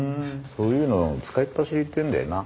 そういうの使いっぱしりっていうんだよな。